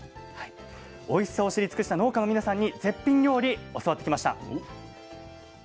おいしさを知り尽くした農家の皆さんに絶品料理教わってきました。